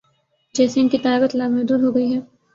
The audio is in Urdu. جیسے ان کی طاقت لامحدود ہو گئی ہے۔